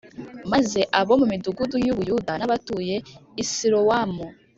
Maze abo mu midugudu y u Buyuda n abatuye I silowamu